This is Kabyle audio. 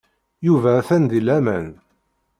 Yuba atan di laman.